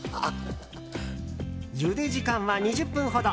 ゆで時間は２０分ほど。